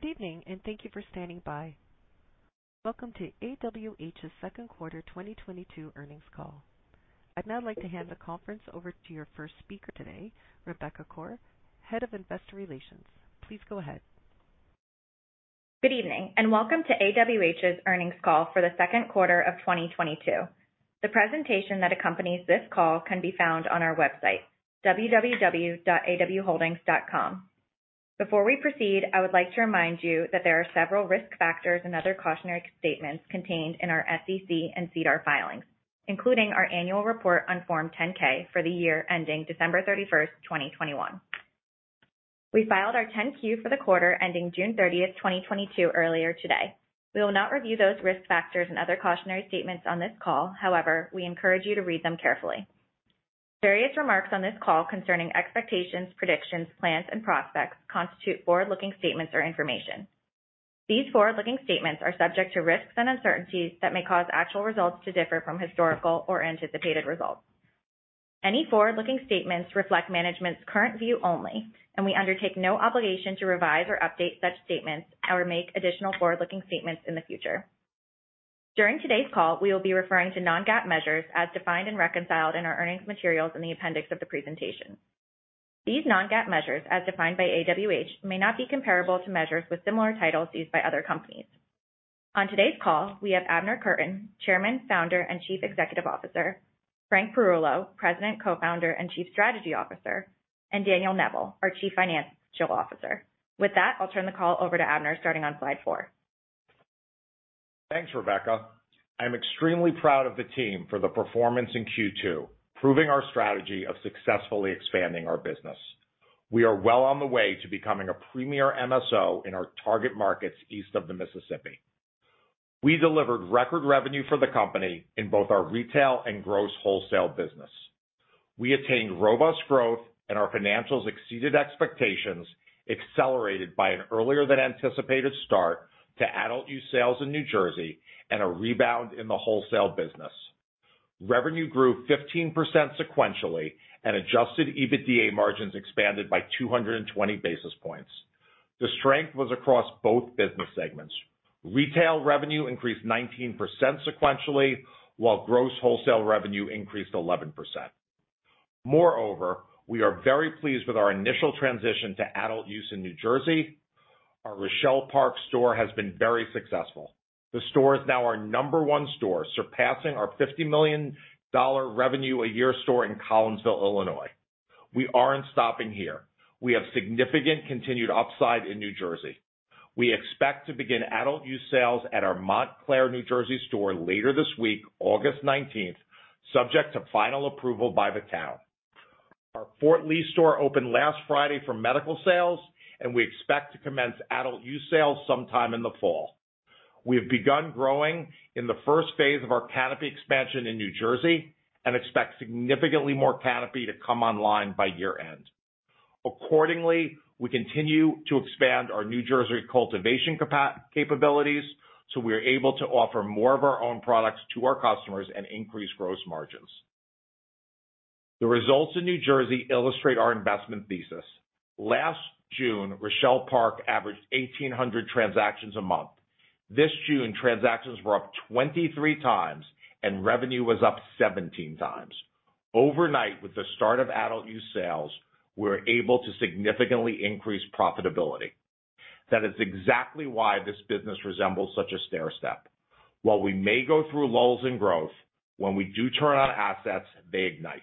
Good evening, and thank you for standing by. Welcome to AWH Second Quarter 2022 Earnings Call. I'd now like to hand the conference over to your first speaker today, Rebecca Koar, Head of Investor Relations. Please go ahead. Good evening, and welcome to AWH's earnings call for the second quarter of 2022. The presentation that accompanies this call can be found on our website, www.awholdings.com. Before we proceed, I would like to remind you that there are several risk factors and other cautionary statements contained in our SEC and SEDAR filings, including our Annual Report on Form 10-K for the year ending December 31st, 2021. We filed our 10-Q for the quarter ending June 30th, 2022 earlier today. We will not review those risk factors and other cautionary statements on this call. However, we encourage you to read them carefully. Various remarks on this call concerning expectations, predictions, plans, and prospects constitute forward-looking statements or information. These forward-looking statements are subject to risks and uncertainties that may cause actual results to differ from historical or anticipated results. Any forward-looking statements reflect management's current view only, and we undertake no obligation to revise or update such statements or make additional forward-looking statements in the future. During today's call, we will be referring to non-GAAP measures as defined and reconciled in our earnings materials in the appendix of the presentation. These non-GAAP measures, as defined by AWH, may not be comparable to measures with similar titles used by other companies. On today's call, we have Abner Kurtin, Chairman, Founder, and Chief Executive Officer, Frank Perullo, President, Co-founder, and Chief Strategy Officer, and Daniel Neville, our Chief Financial Officer. With that, I'll turn the call over to Abner, starting on slide four. Thanks, Rebecca. I'm extremely proud of the team for the performance in Q2, proving our strategy of successfully expanding our business. We are well on the way to becoming a premier MSO in our target markets east of the Mississippi. We delivered record revenue for the company in both our retail and gross wholesale business. We attained robust growth, and our financials exceeded expectations, accelerated by an earlier than anticipated start to adult use sales in New Jersey and a rebound in the wholesale business. Revenue grew 15% sequentially, and adjusted EBITDA margins expanded by 220 basis points. The strength was across both business segments. Retail revenue increased 19% sequentially, while gross wholesale revenue increased 11%. Moreover, we are very pleased with our initial transition to adult use in New Jersey. Our Rochelle Park store has been very successful. The store is now our number one store, surpassing our $50 million-a-year revenue store in Collinsville, Illinois. We aren't stopping here. We have significant continued upside in New Jersey. We expect to begin adult use sales at our Montclair, New Jersey store later this week, August 19th, subject to final approval by the town. Our Fort Lee store opened last Friday for medical sales, and we expect to commence adult use sales sometime in the fall. We have begun growing in the first phase of our canopy expansion in New Jersey and expect significantly more canopy to come online by year-end. Accordingly, we continue to expand our New Jersey cultivation capabilities so we are able to offer more of our own products to our customers and increase gross margins. The results in New Jersey illustrate our investment thesis. Last June, Rochelle Park averaged 1,800 transactions a month. This June, transactions were up 23x, and revenue was up 17x. Overnight, with the start of adult use sales, we're able to significantly increase profitability. That is exactly why this business resembles such a stairstep. While we may go through lulls in growth, when we do turn on assets, they ignite.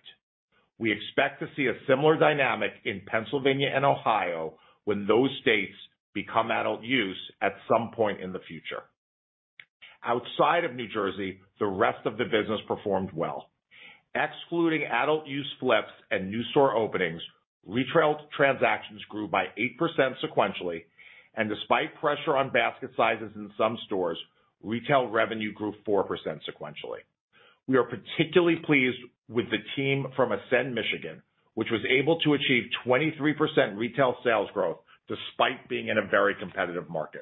We expect to see a similar dynamic in Pennsylvania and Ohio when those states become adult use at some point in the future. Outside of New Jersey, the rest of the business performed well. Excluding adult use flips and new store openings, retail transactions grew by 8% sequentially, and despite pressure on basket sizes in some stores, retail revenue grew 4% sequentially. We are particularly pleased with the team from Ascend Michigan, which was able to achieve 23% retail sales growth despite being in a very competitive market.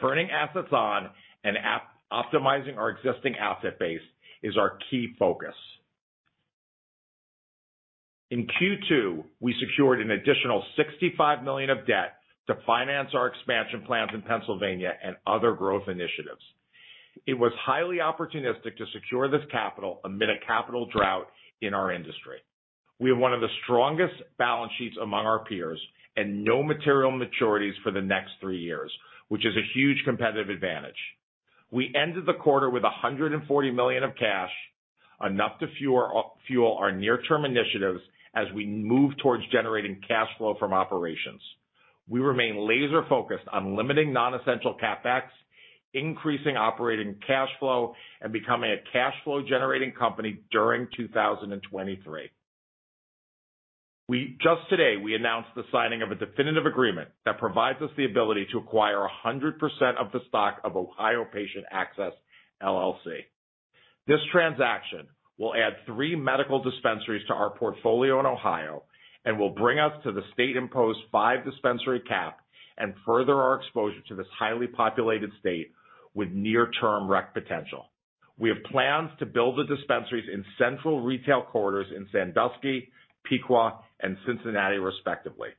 Turning assets on and optimizing our existing asset base is our key focus. In Q2, we secured an additional $65 million of debt to finance our expansion plans in Pennsylvania and other growth initiatives. It was highly opportunistic to secure this capital amid a capital drought in our industry. We have one of the strongest balance sheets among our peers and no material maturities for the next three years, which is a huge competitive advantage. We ended the quarter with $140 million of cash, enough to fuel our near-term initiatives as we move towards generating cash flow from operations. We remain laser-focused on limiting non-essential CapEx, increasing operating cash flow, and becoming a cash flow generating company during 2023. Just today, we announced the signing of a definitive agreement that provides us the ability to acquire 100% of the stock of Ohio Patient Access, LLC. This transaction will add three medical dispensaries to our portfolio in Ohio and will bring us to the state-imposed five dispensary cap and further our exposure to this highly populated state with near-term rec potential. We have plans to build the dispensaries in central retail corridors in Sandusky, Piqua, and Cincinnati, respectively.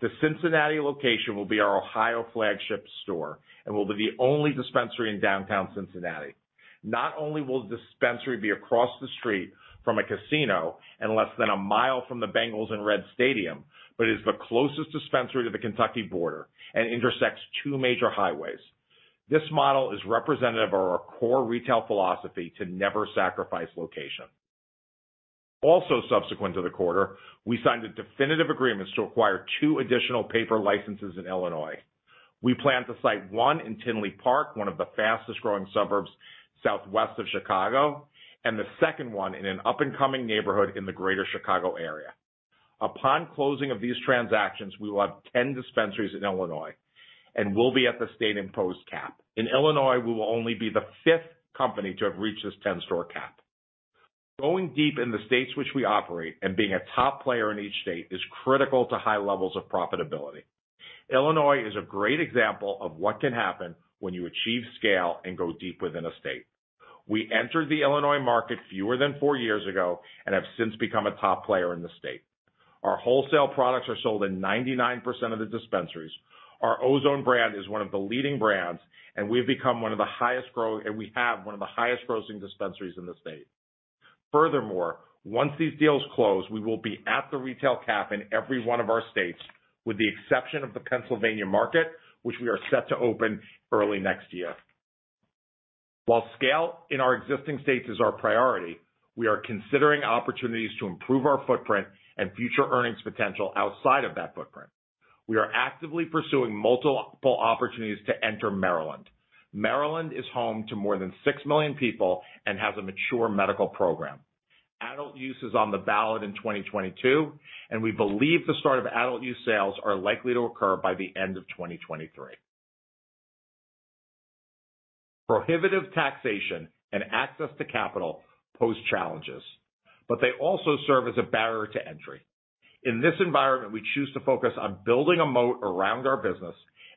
The Cincinnati location will be our Ohio flagship store and will be the only dispensary in downtown Cincinnati. Not only will the dispensary be across the street from a casino and less than a mile from the Bengals and Reds Stadium, but it is the closest dispensary to the Kentucky border and intersects two major highways. This model is representative of our core retail philosophy to never sacrifice location. Also, subsequent to the quarter, we signed the definitive agreements to acquire two additional paper licenses in Illinois. We plan to site one in Tinley Park, one of the fastest-growing suburbs southwest of Chicago, and the second one in an up-and-coming neighborhood in the Greater Chicago area. Upon closing of these transactions, we will have 10 dispensaries in Illinois and will be at the state-imposed cap. In Illinois, we will only be the fifth company to have reached this 10-store cap. Going deep in the states which we operate and being a top player in each state is critical to high levels of profitability. Illinois is a great example of what can happen when you achieve scale and go deep within a state. We entered the Illinois market fewer than four years ago and have since become a top player in the state. Our wholesale products are sold in 99% of the dispensaries. Our Ozone brand is one of the leading brands, and we've become one of the highest-grossing dispensaries in the state. Furthermore, once these deals close, we will be at the retail cap in every one of our states, with the exception of the Pennsylvania market, which we are set to open early next year. While scale in our existing states is our priority, we are considering opportunities to improve our footprint and future earnings potential outside of that footprint. We are actively pursuing multiple opportunities to enter Maryland. Maryland is home to more than 6 million people and has a mature medical program. Adult use is on the ballot in 2022, and we believe the start of adult use sales are likely to occur by the end of 2023. Prohibitive taxation and access to capital pose challenges, but they also serve as a barrier to entry. In this environment, we choose to focus on building a moat around our business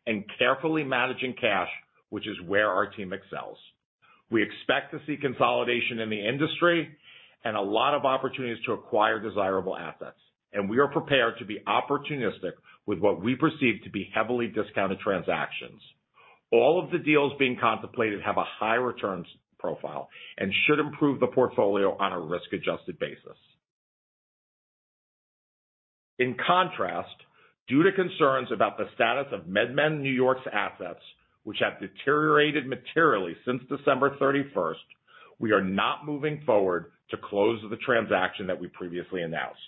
and carefully managing cash, which is where our team excels. We expect to see consolidation in the industry and a lot of opportunities to acquire desirable assets, and we are prepared to be opportunistic with what we perceive to be heavily discounted transactions. All of the deals being contemplated have a high returns profile and should improve the portfolio on a risk-adjusted basis. In contrast, due to concerns about the status of MedMen New York's assets, which have deteriorated materially since December 31st, we are not moving forward to close the transaction that we previously announced.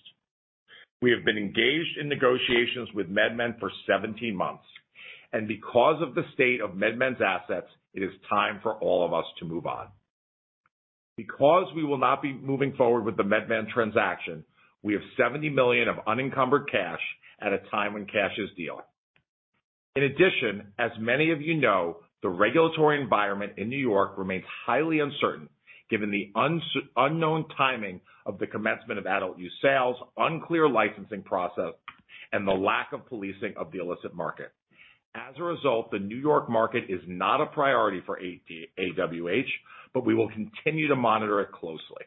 We have been engaged in negotiations with MedMen for 17 months, and because of the state of MedMen's assets, it is time for all of us to move on. Because we will not be moving forward with the MedMen transaction, we have $70 million of unencumbered cash at a time when cash is king. In addition, as many of you know, the regulatory environment in New York remains highly uncertain given the unknown timing of the commencement of adult use sales, unclear licensing process, and the lack of policing of the illicit market. As a result, the New York market is not a priority for AWH, but we will continue to monitor it closely.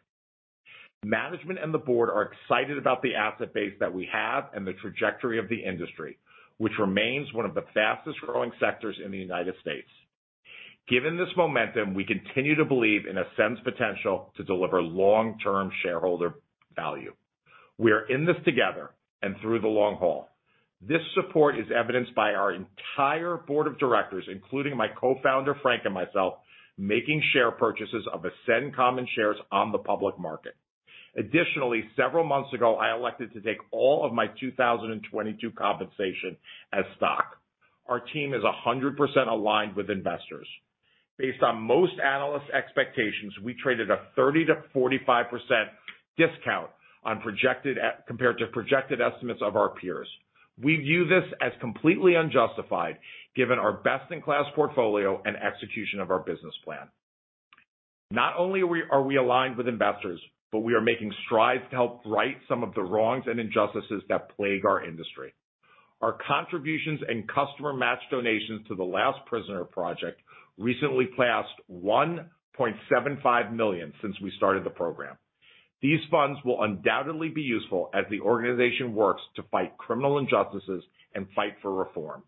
Management and the board are excited about the asset base that we have and the trajectory of the industry, which remains one of the fastest-growing sectors in the United States. Given this momentum, we continue to believe in Ascend's potential to deliver long-term shareholder value. We are in this together and through the long haul. This support is evidenced by our entire board of directors, including my Co-Founder, Frank, and myself, making share purchases of Ascend common shares on the public market. Additionally, several months ago, I elected to take all of my 2022 compensation as stock. Our team is 100% aligned with investors. Based on most analysts' expectations, we traded at a 30%-45% discount to projected estimates compared to our peers. We view this as completely unjustified given our best-in-class portfolio and execution of our business plan. Not only are we aligned with investors, but we are making strides to help right some of the wrongs and injustices that plague our industry. Our contributions and customer match donations to the Last Prisoner Project recently passed $1.75 million since we started the program. These funds will undoubtedly be useful as the organization works to fight criminal injustices and fight for reform.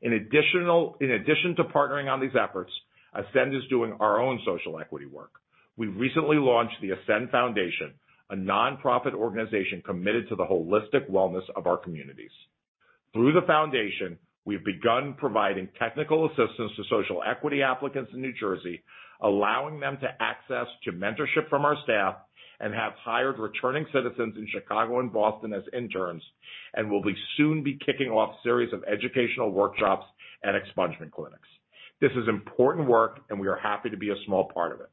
In addition to partnering on these efforts, Ascend is doing our own social equity work. We recently launched the Ascend Foundation, a nonprofit organization committed to the holistic wellness of our communities. Through the foundation, we have begun providing technical assistance to social equity applicants in New Jersey, allowing them access to mentorship from our staff, and have hired returning citizens in Chicago and Boston as interns and will soon be kicking off a series of educational workshops and expungement clinics. This is important work, and we are happy to be a small part of it.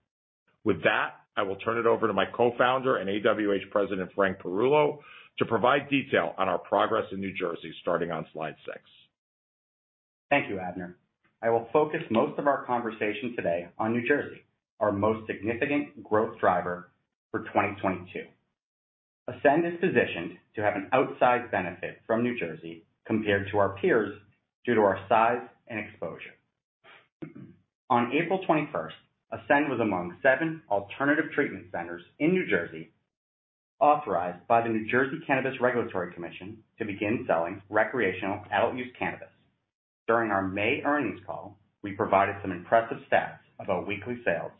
With that, I will turn it over to my co-founder and AWH President, Frank Perullo, to provide detail on our progress in New Jersey, starting on slide six. Thank you, Abner. I will focus most of our conversation today on New Jersey, our most significant growth driver for 2022. Ascend is positioned to have an outsized benefit from New Jersey compared to our peers due to our size and exposure. On April 21st, Ascend was among seven alternative treatment centers in New Jersey authorized by the New Jersey Cannabis Regulatory Commission to begin selling recreational adult use cannabis. During our May earnings call, we provided some impressive stats about weekly sales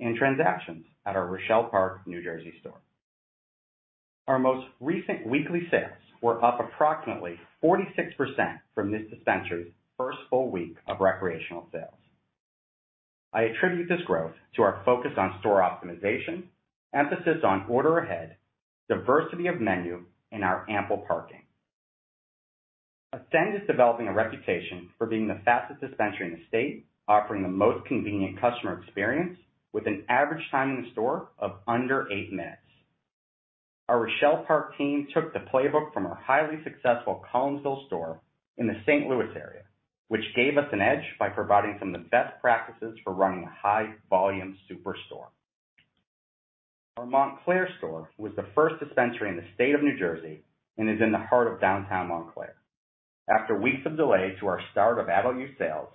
and transactions at our Rochelle Park, New Jersey store. Our most recent weekly sales were up approximately 46% from this dispensary's first full week of recreational sales. I attribute this growth to our focus on store optimization, emphasis on order ahead, diversity of menu, and our ample parking. Ascend is developing a reputation for being the fastest dispensary in the state, offering the most convenient customer experience with an average time in the store of under eight minutes. Our Rochelle Park team took the playbook from our highly successful Collinsville store in the St. Louis area, which gave us an edge by providing some of the best practices for running a high-volume superstore. Our Montclair store was the first dispensary in the state of New Jersey and is in the heart of downtown Montclair. After weeks of delay to our start of adult use sales,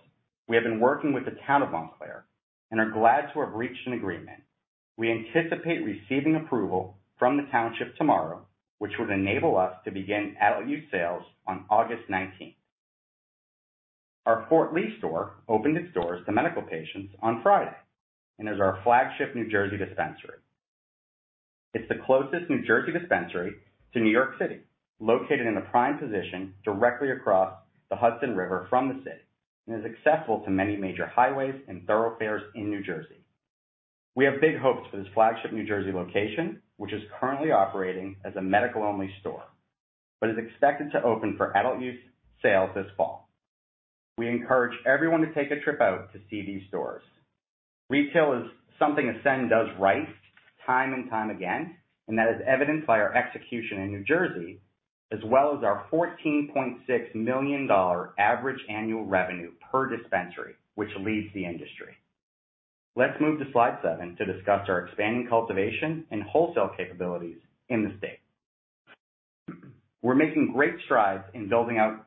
we have been working with the town of Montclair and are glad to have reached an agreement. We anticipate receiving approval from the township tomorrow, which would enable us to begin adult use sales on August 19th. Our Fort Lee store opened its doors to medical patients on Friday and is our flagship New Jersey dispensary. It's the closest New Jersey dispensary to New York City, located in a prime position directly across the Hudson River from the city, and is accessible to many major highways and thoroughfares in New Jersey. We have big hopes for this flagship New Jersey location, which is currently operating as a medical-only store, but is expected to open for adult use sales this fall. We encourage everyone to take a trip out to see these stores. Retail is something Ascend does right time and time again, and that is evidenced by our execution in New Jersey, as well as our $14.6 million average annual revenue per dispensary, which leads the industry. Let's move to slide seven to discuss our expanding cultivation and wholesale capabilities in the state. We're making great strides in building out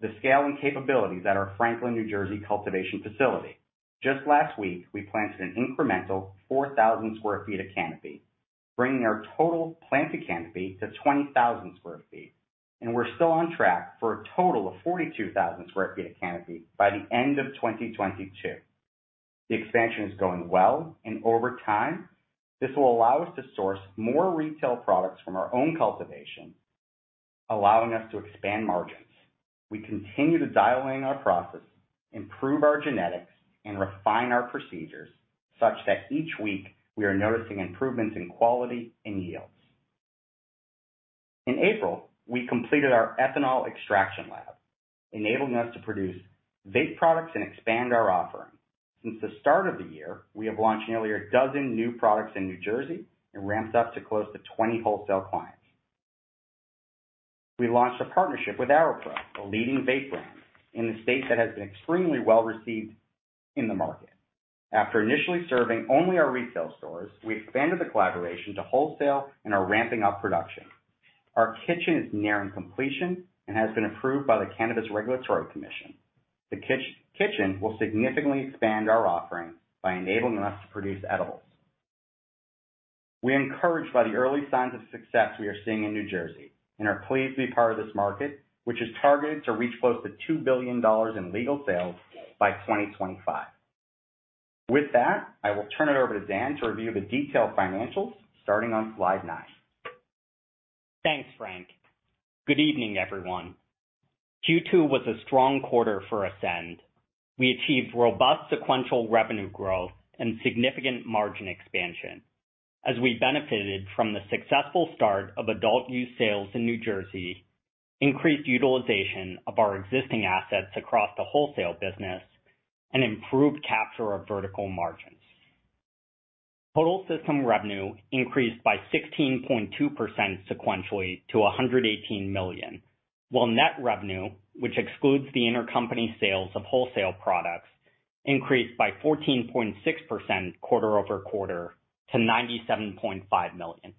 the scale and capabilities at our Franklin, New Jersey cultivation facility. Just last week, we planted an incremental 4,000 sq ft of canopy, bringing our total planted canopy to 20,000 sq ft, and we're still on track for a total of 42,000 sq ft of canopy by the end of 2022. The expansion is going well, and over time, this will allow us to source more retail products from our own cultivation, allowing us to expand margins. We continue to dial in our process, improve our genetics, and refine our procedures such that each week we are noticing improvements in quality and yields. In April, we completed our ethanol extraction lab, enabling us to produce vape products and expand our offering. Since the start of the year, we have launched nearly a dozen new products in New Jersey and ramped up to close to 20 wholesale clients. We launched a partnership with AiroPro, a leading vape brand in the state that has been extremely well-received in the market. After initially serving only our retail stores, we expanded the collaboration to wholesale and are ramping up production. Our kitchen is nearing completion and has been approved by the Cannabis Regulatory Commission. The kitchen will significantly expand our offering by enabling us to produce edibles. We are encouraged by the early signs of success we are seeing in New Jersey and are pleased to be part of this market, which is targeted to reach close to $2 billion in legal sales by 2025. With that, I will turn it over to Dan to review the detailed financials starting on slide 9. Thanks, Frank. Good evening, everyone. Q2 was a strong quarter for Ascend. We achieved robust sequential revenue growth and significant margin expansion as we benefited from the successful start of adult use sales in New Jersey, increased utilization of our existing assets across the wholesale business, and improved capture of vertical margins. Total system revenue increased by 16.2% sequentially to $118 million, while net revenue, which excludes the intercompany sales of wholesale products, increased by 14.6% quarter-over-quarter to $97.5 million.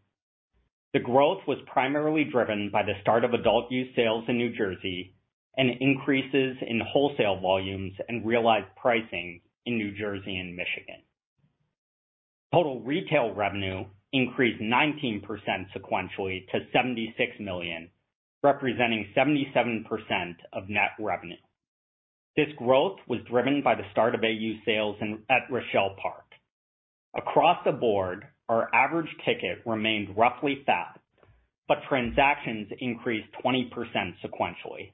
The growth was primarily driven by the start of adult use sales in New Jersey and increases in wholesale volumes and realized pricing in New Jersey and Michigan. Total retail revenue increased 19% sequentially to $76 million, representing 77% of net revenue. This growth was driven by the start of AU sales in Rochelle Park. Across the board, our average ticket remained roughly flat, but transactions increased 20% sequentially.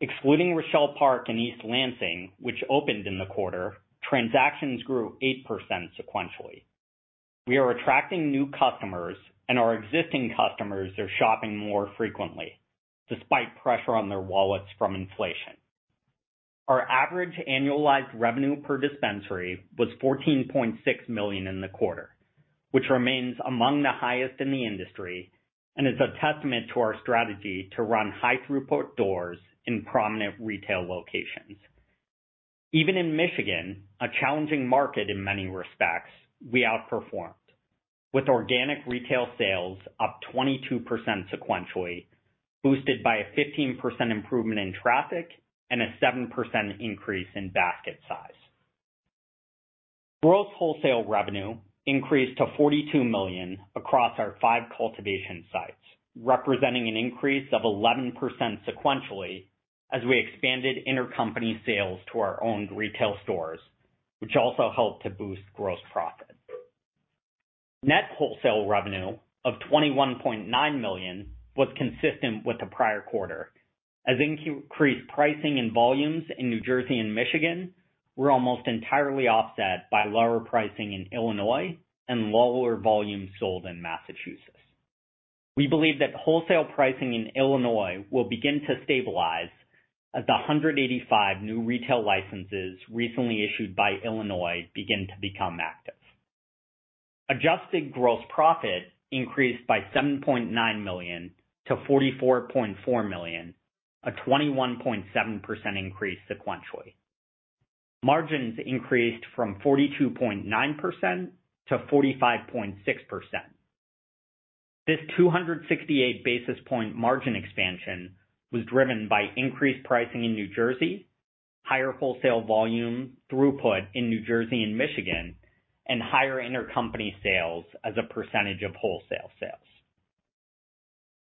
Excluding Rochelle Park and East Lansing, which opened in the quarter, transactions grew 8% sequentially. We are attracting new customers, and our existing customers are shopping more frequently despite pressure on their wallets from inflation. Our average annualized revenue per dispensary was $14.6 million in the quarter, which remains among the highest in the industry and is a testament to our strategy to run high-throughput doors in prominent retail locations. Even in Michigan, a challenging market in many respects, we outperformed with organic retail sales up 22% sequentially, boosted by a 15% improvement in traffic and a 7% increase in basket size. Gross wholesale revenue increased to $42 million across our five cultivation sites, representing an increase of 11% sequentially as we expanded intercompany sales to our own retail stores, which also helped to boost gross profit. Net wholesale revenue of $21.9 million was consistent with the prior quarter. Increased pricing and volumes in New Jersey and Michigan were almost entirely offset by lower pricing in Illinois and lower volumes sold in Massachusetts. We believe that wholesale pricing in Illinois will begin to stabilize as the 185 new retail licenses recently issued by Illinois begin to become active. Adjusted gross profit increased by $7.9 million-$44.4 million, a 21.7% increase sequentially. Margins increased from 42.9%-45.6%. This 268 basis points margin expansion was driven by increased pricing in New Jersey, higher wholesale volume throughput in New Jersey and Michigan, and higher intercompany sales as a percentage of wholesale sales.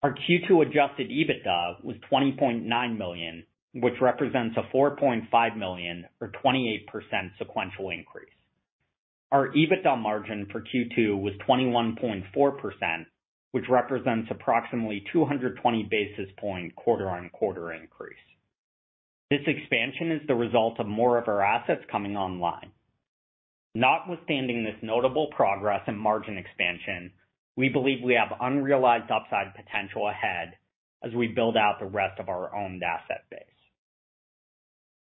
Our Q2 adjusted EBITDA was $20.9 million, which represents a $4.5 million or 28% sequential increase. Our EBITDA margin for Q2 was 21.4%, which represents approximately 220 basis points quarter-on-quarter increase. This expansion is the result of more of our assets coming online. Notwithstanding this notable progress in margin expansion, we believe we have unrealized upside potential ahead as we build out the rest of our owned asset base.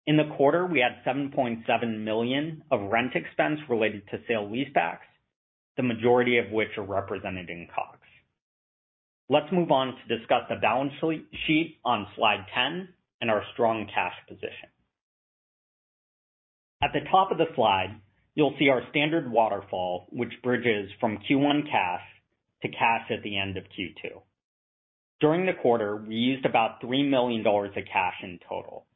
In the quarter, we had $7.7 million of rent expense related to sale-leasebacks, the majority of which are represented in COGS. Let's move on to discuss the balance sheet on slide 10 and our strong cash position. At the top of the slide, you'll see our standard waterfall, which bridges from Q1 cash to cash at the end of Q2. During the quarter, we used about $3 million of cash in total.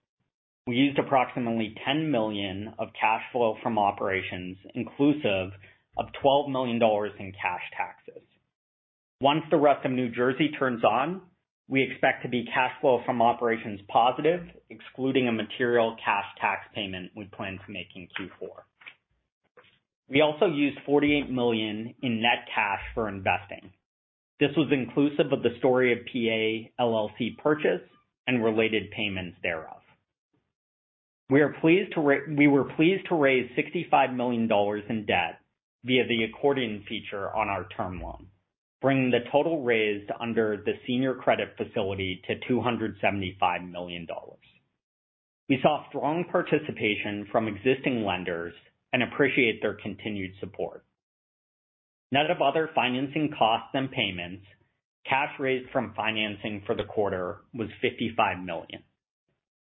We used approximately $10 million of cash flow from operations, inclusive of $12 million in cash taxes. Once the rest of New Jersey turns on, we expect to be cash flow from operations positive, excluding a material cash tax payment we plan to make in Q4. We also used $48 million in net cash for investing. This was inclusive of the Story of PA, LLC purchase and related payments thereof. We were pleased to raise $65 million in debt via the accordion feature on our term loan, bringing the total raised under the senior credit facility to $275 million. We saw strong participation from existing lenders and appreciate their continued support. Net of other financing costs and payments, cash raised from financing for the quarter was $55 million.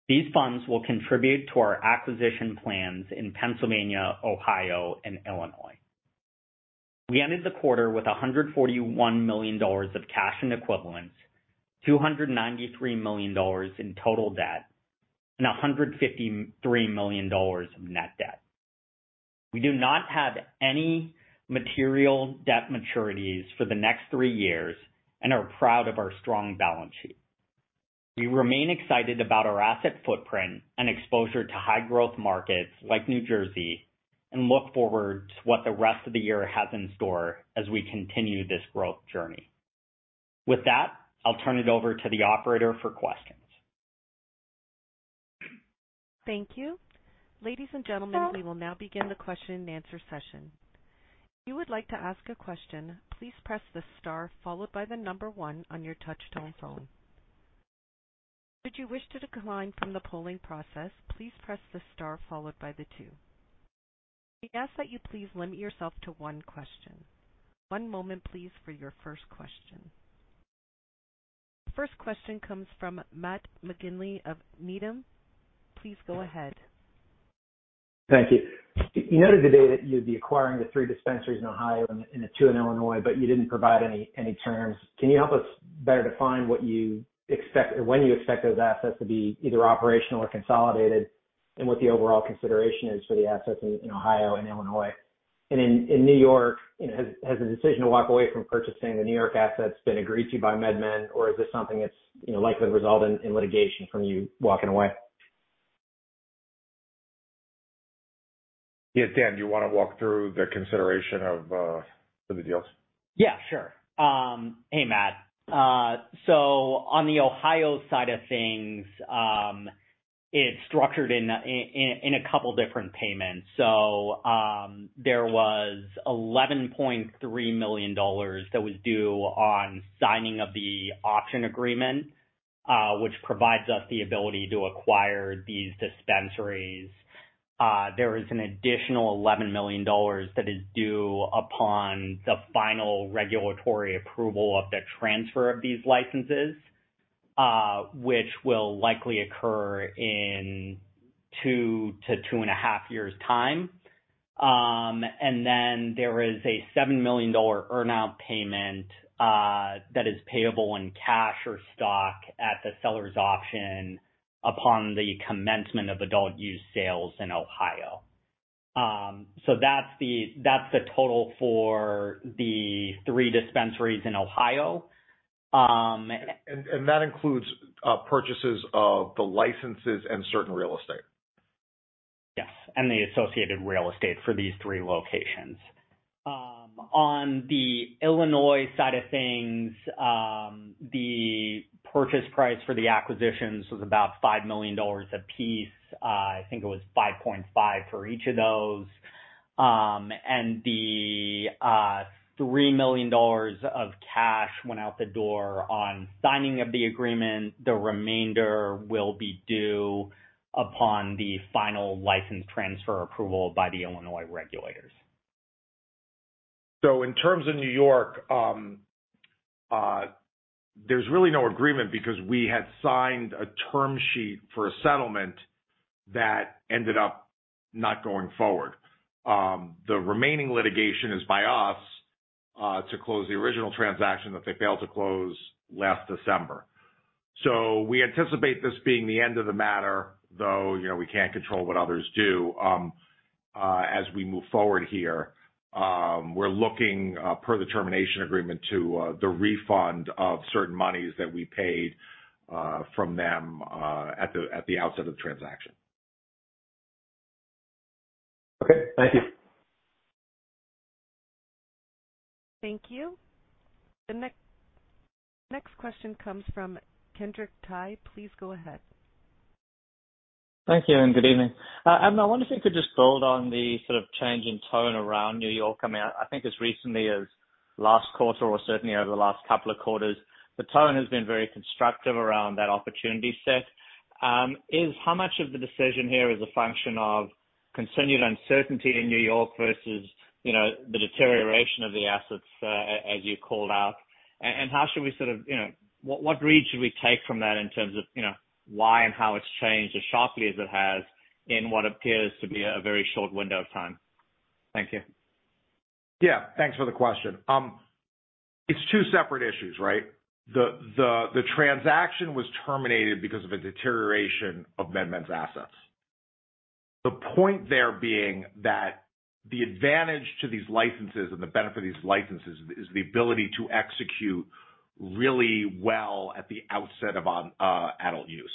These funds will contribute to our acquisition plans in Pennsylvania, Ohio, and Illinois. We ended the quarter with $141 million of cash and equivalents, $293 million in total debt, and $153 million of net debt. We do not have any material debt maturities for the next three years and are proud of our strong balance sheet. We remain excited about our asset footprint and exposure to high growth markets like New Jersey and look forward to what the rest of the year has in store as we continue this growth journey. With that, I'll turn it over to the operator for questions. Thank you. Ladies and gentlemen, we will now begin the question and answer session. If you would like to ask a question, please press the star followed by the number one on your touchtone phone. Should you wish to decline from the polling process, please press the star followed by the two. We ask that you please limit yourself to one question. One moment please for your first question. First question comes from Matt McGinley of Needham. Please go ahead. Thank you. You noted today that you'd be acquiring the three dispensaries in Ohio and the two in Illinois, but you didn't provide any terms. Can you help us better define what you expect or when you expect those assets to be either operational or consolidated, and what the overall consideration is for the assets in Ohio and Illinois? In New York, you know, has the decision to walk away from purchasing the New York assets been agreed to by MedMen or is this something that's, you know, likely to result in litigation from you walking away? Yeah. Dan, do you wanna walk through the consideration for the deals? Yeah, sure. Hey, Matt. On the Ohio side of things, it's structured in a couple different payments. There was $11.3 million that was due on signing of the option agreement, which provides us the ability to acquire these dispensaries. There is an additional $11 million that is due upon the final regulatory approval of the transfer of these licenses, which will likely occur in two to 2.5 years' time. Then there is a $7 million earn-out payment that is payable in cash or stock at the seller's option upon the commencement of adult use sales in Ohio. That's the total for the three dispensaries in Ohio. That includes purchases of the licenses and certain real estate. The associated real estate for these three locations. On the Illinois side of things, the purchase price for the acquisitions was about $5 million apiece. I think it was $5.5 million for each of those. The $3 million of cash went out the door on signing of the agreement. The remainder will be due upon the final license transfer approval by the Illinois regulators. In terms of New York, there's really no agreement because we had signed a term sheet for a settlement that ended up not going forward. The remaining litigation is by us to close the original transaction that they failed to close last December. We anticipate this being the end of the matter, though, you know, we can't control what others do. As we move forward here, we're looking, per the termination agreement to, the refund of certain monies that we paid, from them, at the outset of the transaction. Okay, thank you. Thank you. The next question comes from Kendrick Tai. Please go ahead. Thank you and good evening. Abner, I wonder if you could just build on the sort of change in tone around New York. I mean, I think as recently as last quarter or certainly over the last couple of quarters, the tone has been very constructive around that opportunity set. Is how much of the decision here is a function of continued uncertainty in New York versus, you know, the deterioration of the assets, as you called out? How should we sort of, you know, what read should we take from that in terms of, you know, why and how it's changed as sharply as it has in what appears to be a very short window of time? Thank you. Yeah, thanks for the question. It's two separate issues, right? The transaction was terminated because of a deterioration of MedMen's assets. The point there being that the advantage to these licenses and the benefit of these licenses is the ability to execute really well at the outset of adult use.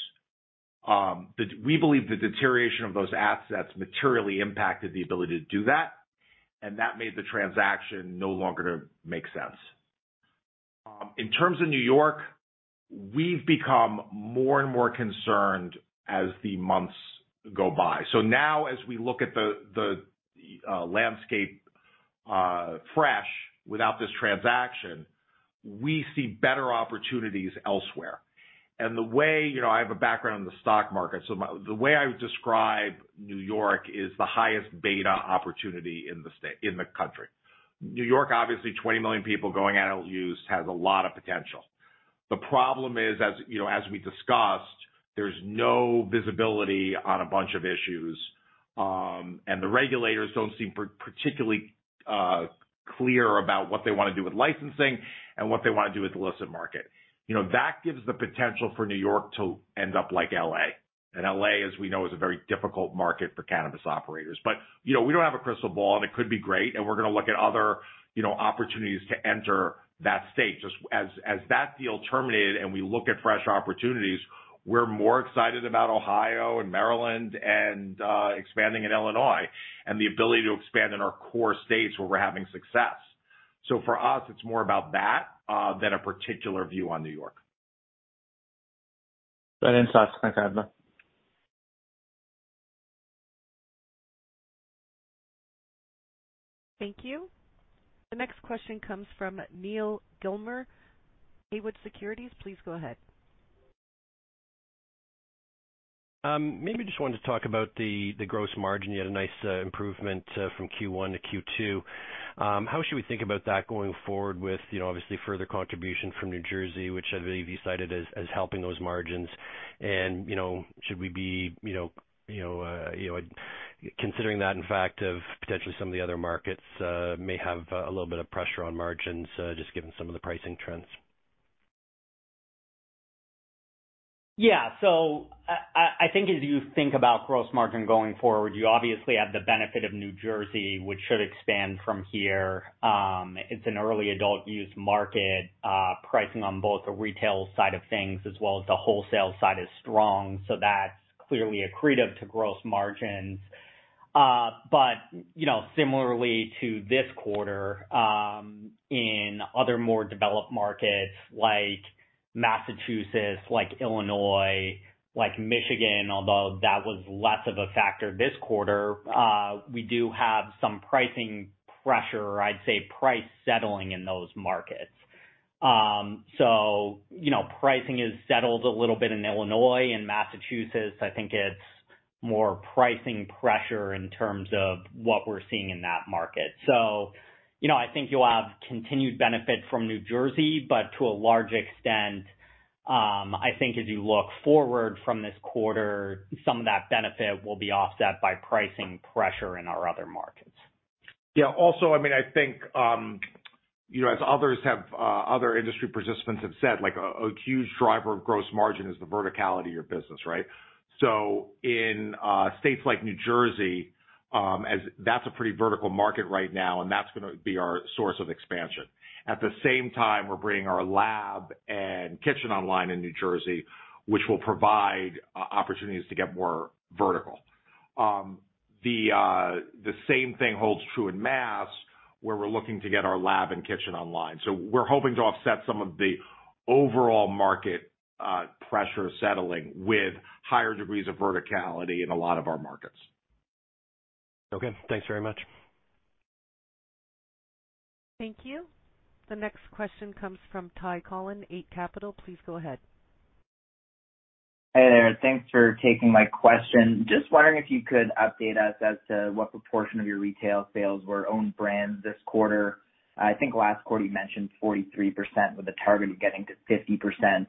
We believe the deterioration of those assets materially impacted the ability to do that, and that made the transaction no longer make sense. In terms of New York, we've become more and more concerned as the months go by. Now as we look at the landscape fresh without this transaction, we see better opportunities elsewhere. The way, you know, I have a background in the stock market. The way I would describe New York is the highest beta opportunity in the country. New York, obviously, 20 million people going adult use has a lot of potential. The problem is, as you know, as we discussed, there's no visibility on a bunch of issues. The regulators don't seem particularly clear about what they wanna do with licensing and what they wanna do with the illicit market. You know, that gives the potential for New York to end up like L.A. L.A., as we know, is a very difficult market for cannabis operators. You know, we don't have a crystal ball and it could be great, and we're gonna look at other, you know, opportunities to enter that state. Just as that deal terminated and we look at fresh opportunities, we're more excited about Ohio and Maryland and expanding in Illinois and the ability to expand in our core states where we're having success. For us, it's more about that than a particular view on New York. Those insights. Thank you, Abner. Thank you. The next question comes from Neal Gilmer, Haywood Securities. Please go ahead. Maybe just wanted to talk about the gross margin. You had a nice improvement from Q1-Q2. How should we think about that going forward with, you know, obviously further contribution from New Jersey, which I believe you cited as helping those margins? And, you know, should we be considering the fact that potentially some of the other markets may have a little bit of pressure on margins just given some of the pricing trends? Yeah. I think as you think about gross margin going forward, you obviously have the benefit of New Jersey, which should expand from here. It's an early adult use market. Pricing on both the retail side of things as well as the wholesale side is strong, so that's clearly accretive to gross margins. You know, similarly to this quarter, in other more developed markets like Massachusetts, like Illinois, like Michigan, although that was less of a factor this quarter, we do have some pricing pressure. I'd say price settling in those markets. You know, pricing is settled a little bit in Illinois and Massachusetts. I think more pricing pressure in terms of what we're seeing in that market. You know, I think you'll have continued benefit from New Jersey, but to a large extent, I think as you look forward from this quarter, some of that benefit will be offset by pricing pressure in our other markets. Yeah. Also, I mean, I think, you know, as others have, other industry participants have said, like a huge driver of gross margin is the verticality of business, right? In states like New Jersey, as that's a pretty vertical market right now, and that's gonna be our source of expansion. At the same time, we're bringing our lab and kitchen online in New Jersey, which will provide opportunities to get more vertical. The same thing holds true in Mass, where we're looking to get our lab and kitchen online. We're hoping to offset some of the overall market pressure settling with higher degrees of verticality in a lot of our markets. Okay, thanks very much. Thank you. The next question comes from Ty Collin, Eight Capital. Please go ahead. Hey there. Thanks for taking my question. Just wondering if you could update us as to what proportion of your retail sales were own brands this quarter. I think last quarter you mentioned 43% with a target of getting to 50%.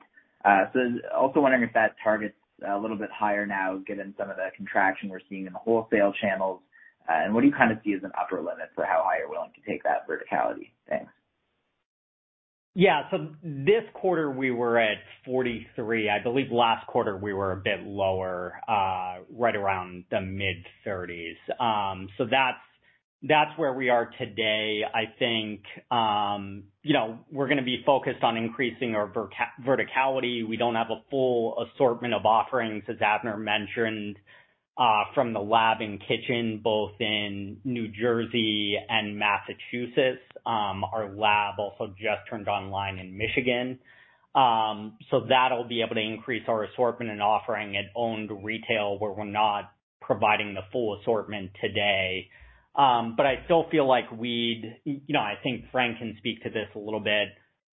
Also wondering if that target's a little bit higher now given some of the contraction we're seeing in the wholesale channels. What do you kind of see as an upper limit for how high you're willing to take that verticality? Thanks. Yeah. This quarter we were at 43%. I believe last quarter we were a bit lower, right around the mid-30%. That's where we are today. I think, you know, we're gonna be focused on increasing our verticality. We don't have a full assortment of offerings, as Abner mentioned, from the lab and kitchen, both in New Jersey and Massachusetts. Our lab also just turned online in Michigan. That'll be able to increase our assortment and offering at owned retail where we're not providing the full assortment today. I still feel like we'd. You know, I think Frank can speak to this a little bit.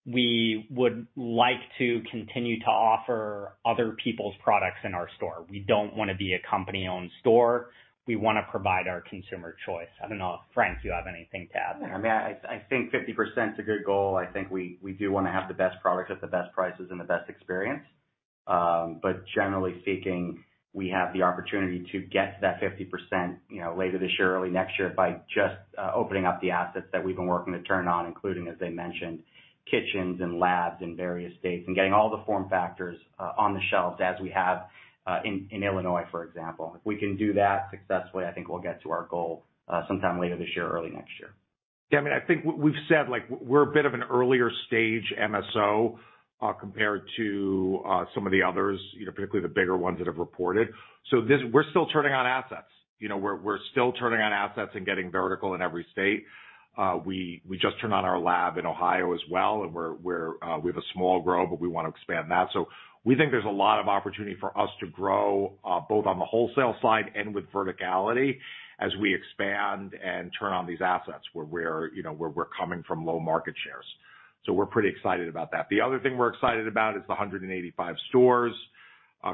We would like to continue to offer other people's products in our store. We don't wanna be a company-owned store. We wanna provide our consumer choice. I don't know if, Frank, you have anything to add there. I mean, I think 50% is a good goal. I think we do wanna have the best product at the best prices and the best experience. But generally speaking, we have the opportunity to get to that 50%, you know, later this year, early next year by just opening up the assets that we've been working to turn on, including, as I mentioned, kitchens and labs in various states and getting all the form factors on the shelves as we have in Illinois, for example. If we can do that successfully, I think we'll get to our goal sometime later this year or early next year. Yeah. I mean, I think we've said, like, we're a bit of an earlier stage MSO compared to some of the others, you know, particularly the bigger ones that have reported. We're still turning on assets, you know. We're still turning on assets and getting vertical in every state. We just turned on our lab in Ohio as well, and we have a small grow, but we want to expand that. We think there's a lot of opportunity for us to grow both on the wholesale side and with verticality as we expand and turn on these assets where we're, you know, where we're coming from low market shares. We're pretty excited about that. The other thing we're excited about is the 185 stores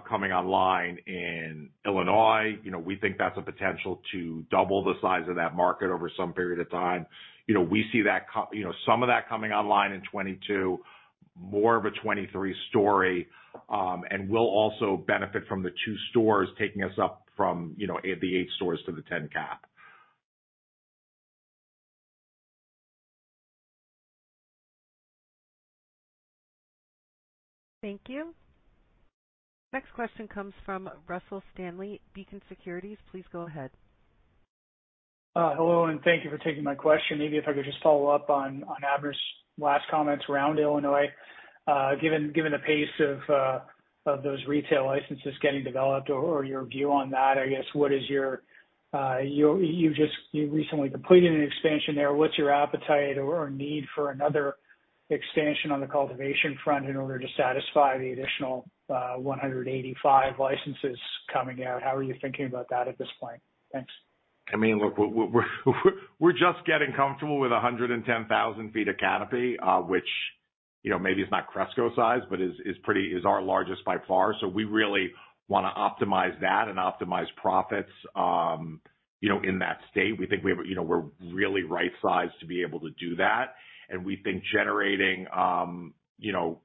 coming online in Illinois. You know, we think that's a potential to double the size of that market over some period of time. You know, we see some of that coming online in 2022, more of a 2023 story, and we'll also benefit from the two stores taking us up from, you know, the eight stores to the 10 cap. Thank you. Next question comes from Russell Stanley, Beacon Securities. Please go ahead. Hello, and thank you for taking my question. Maybe if I could just follow up on Abner's last comments around Illinois. Given the pace of those retail licenses getting developed or your view on that, I guess, what is your you recently completed an expansion there. What's your appetite or need for another expansion on the cultivation front in order to satisfy the additional 185 licenses coming out? How are you thinking about that at this point? Thanks. I mean, look, we're just getting comfortable with 110,000 ft of canopy, which, you know, maybe is not Cresco size, but is our largest by far. We really want to optimize that and optimize profits, you know, in that state. We think we have, you know, we're really right-sized to be able to do that. We think generating, you know.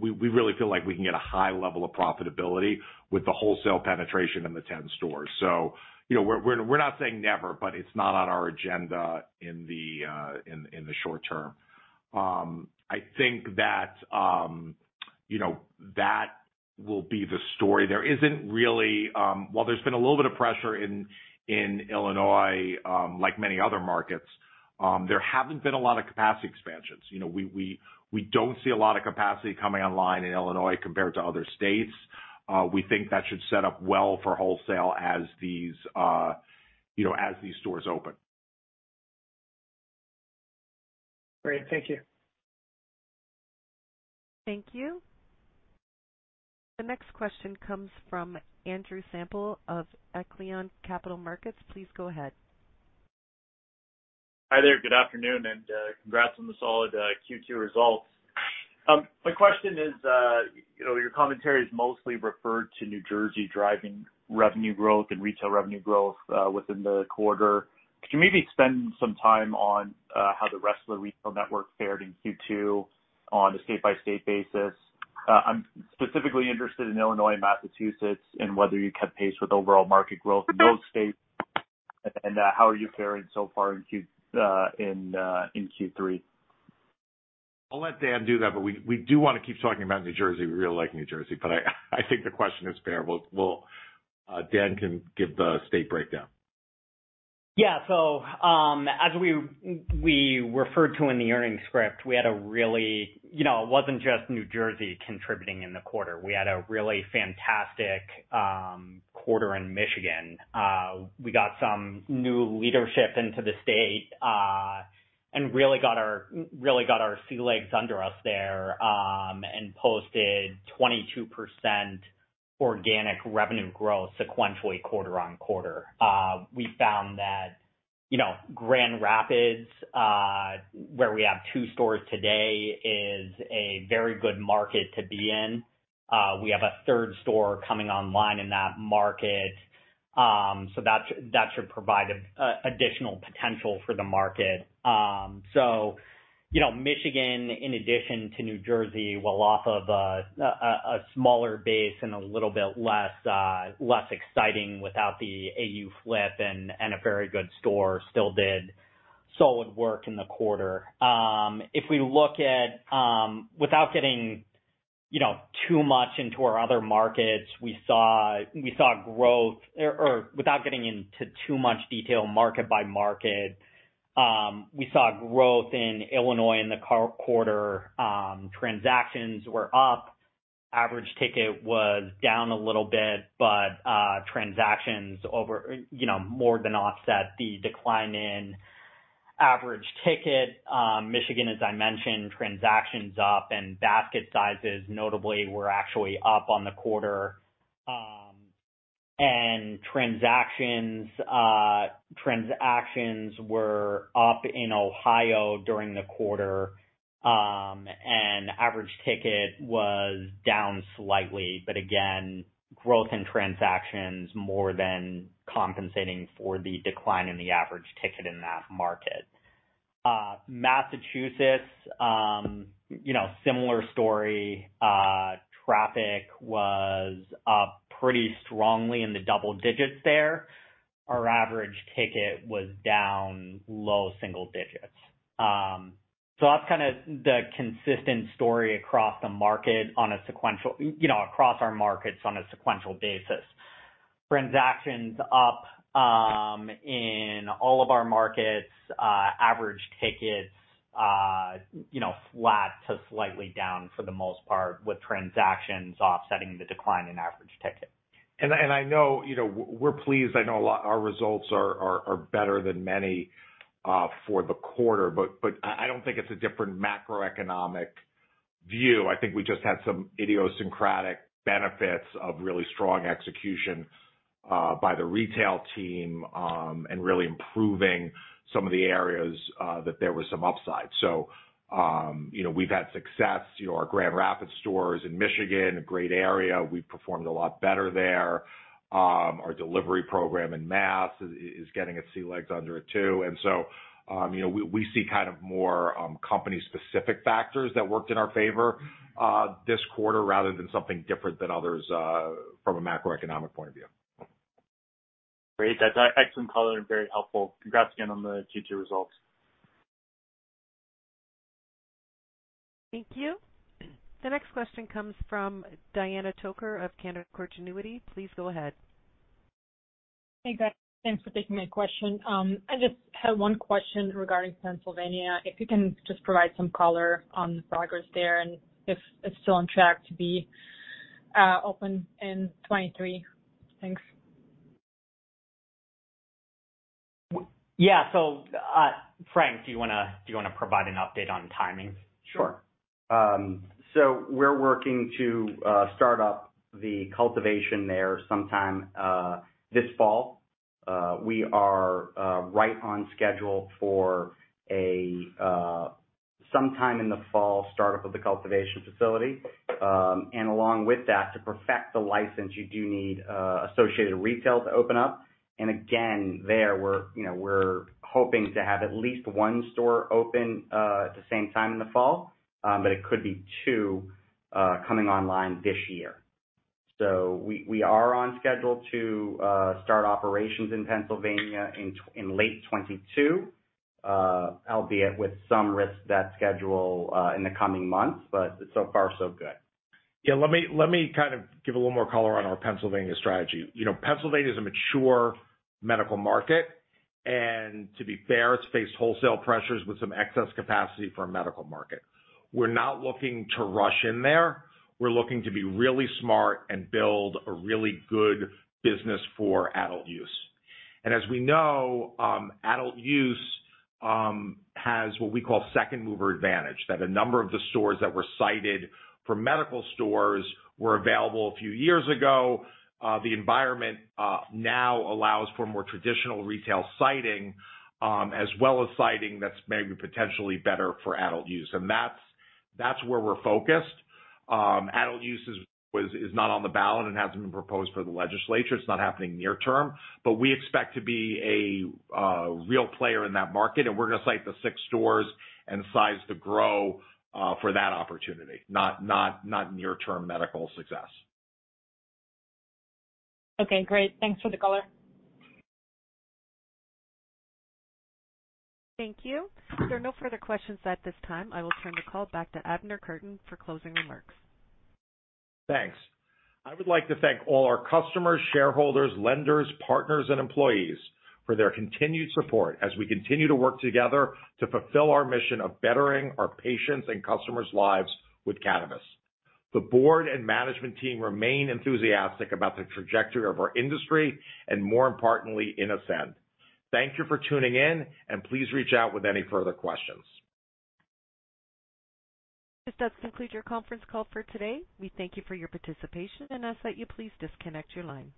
We really feel like we can get a high level of profitability with the wholesale penetration in the 10 stores. You know, we're not saying never, but it's not on our agenda in the short term. I think that, you know, that will be the story. There isn't really. While there's been a little bit of pressure in Illinois, like many other markets, there haven't been a lot of capacity expansions. You know, we don't see a lot of capacity coming online in Illinois compared to other states. We think that should set up well for wholesale, you know, as these stores open. Great. Thank you. Thank you. The next question comes from Andrew Semple of Echelon Capital Markets. Please go ahead. Hi there. Good afternoon and congrats on the solid Q2 results. My question is, you know, your commentary is mostly referred to New Jersey driving revenue growth and retail revenue growth within the quarter. Could you maybe spend some time on how the rest of the retail network fared in Q2 on a state-by-state basis? I'm specifically interested in Illinois and Massachusetts and whether you kept pace with overall market growth in those states, and how are you faring so far in Q3. I'll let Dan do that, but we do wanna keep talking about New Jersey. We really like New Jersey, but I think the question is fair. We'll, Dan can give the state breakdown. Yeah. As we referred to in the earnings script, you know, it wasn't just New Jersey contributing in the quarter. We had a really fantastic quarter in Michigan. We got some new leadership into the state and really got our sea legs under us there and posted 22% organic revenue growth sequentially quarter-over-quarter. We found that, you know, Grand Rapids, where we have two stores today, is a very good market to be in. We have a third store coming online in that market, so that should provide additional potential for the market. You know, Michigan, in addition to New Jersey, while off of a smaller base and a little bit less exciting without the AU flip and a very good store, still did solid work in the quarter. Without getting, you know, too much into our other markets, we saw growth. Without getting into too much detail market by market, we saw growth in Illinois in the quarter. Transactions were up. Average ticket was down a little bit, but transactions, you know, more than offset the decline in average ticket. Michigan, as I mentioned, transactions up and basket sizes notably were actually up on the quarter. Transactions were up in Ohio during the quarter, and average ticket was down slightly. Again, growth in transactions more than compensating for the decline in the average ticket in that market. Massachusetts, you know, similar story. Traffic was up pretty strongly in the double digits there. Our average ticket was down low single digits. That's kinda the consistent story across the market on a sequential, you know, across our markets on a sequential basis. Transactions up in all of our markets. Average tickets, you know, flat to slightly down for the most part with transactions offsetting the decline in average ticket. I know, you know, we're pleased. Our results are better than many for the quarter, but I don't think it's a different macroeconomic view. I think we just had some idiosyncratic benefits of really strong execution by the retail team and really improving some of the areas that there was some upside. You know, we've had success. You know, our Grand Rapids stores in Michigan, a great area. We've performed a lot better there. Our delivery program in Mass is getting its sea legs under it too. You know, we see kind of more company-specific factors that worked in our favor this quarter rather than something different than others from a macroeconomic point of view. Great. That's, excellent color and very helpful. Congrats again on the Q2 results. Thank you. The next question comes from Diana Tokar of Canaccord Genuity. Please go ahead. Hey, guys. Thanks for taking my question. I just had one question regarding Pennsylvania. If you can just provide some color on the progress there and if it's still on track to be open in 2023? Thanks. Yeah. Frank, do you wanna provide an update on timing? Sure. We're working to start up the cultivation there sometime this fall. We are right on schedule for a sometime in the fall startup of the cultivation facility. Along with that, to perfect the license you do need associated retail to open up. Again, there, we're, you know, we're hoping to have at least one store open at the same time in the fall, but it could be two coming online this year. We are on schedule to start operations in Pennsylvania in late 2022, albeit with some risk to that schedule in the coming months, but so far so good. Yeah, let me kind of give a little more color on our Pennsylvania strategy. You know, Pennsylvania is a mature medical market, and to be fair, it's faced wholesale pressures with some excess capacity for a medical market. We're not looking to rush in there. We're looking to be really smart and build a really good business for adult use. And as we know, adult use has what we call second-mover advantage, that a number of the stores that were sited for medical stores were available a few years ago. The environment now allows for more traditional retail siting, as well as siting that's maybe potentially better for adult use, and that's where we're focused. Adult use is not on the ballot and hasn't been proposed for the legislature. It's not happening near term. We expect to be a real player in that market, and we're gonna site the six stores and size to grow for that opportunity, not near-term medical success. Okay, great. Thanks for the color. Thank you. There are no further questions at this time. I will turn the call back to Abner Kurtin for closing remarks. Thanks. I would like to thank all our customers, shareholders, lenders, partners, and employees for their continued support as we continue to work together to fulfill our mission of bettering our patients' and customers' lives with cannabis. The board and management team remain enthusiastic about the trajectory of our industry and more importantly, in Ascend. Thank you for tuning in, and please reach out with any further questions. This does conclude your conference call for today. We thank you for your participation and ask that you please disconnect your line.